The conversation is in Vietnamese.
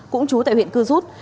cũng trú tại huyện cư rút